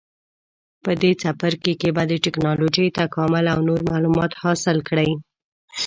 په دې څپرکي کې به د ټېکنالوجۍ تکامل او نور معلومات حاصل کړئ.